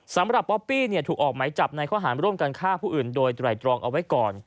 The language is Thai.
ป๊อปปี้ถูกออกไหมจับในข้อหารร่วมกันฆ่าผู้อื่นโดยไตรตรองเอาไว้ก่อน